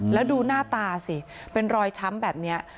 แล้วดูหน้าตาสิเป็นรอยช้ำแบบนี้